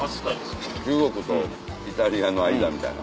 中国とイタリアの間みたいな。